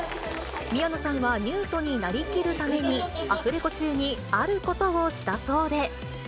宮野さんは、ニュートに成りきるために、アフレコ中にあることをしたそうで。